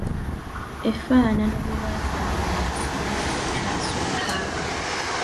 Efaanana gye baasanga mu kisenge ekyasooka.